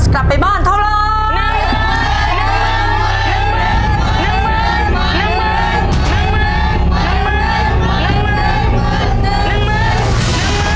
กลับไปบ้านเพราะเที่ยว